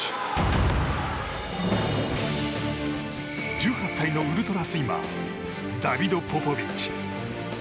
１８歳のウルトラスイマーダビド・ポポビッチ。